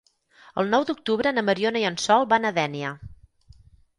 El nou d'octubre na Mariona i en Sol van a Dénia.